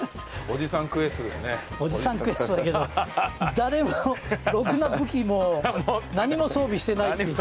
おじさんクエストだけど誰もろくな武器も何も装備してないっていう。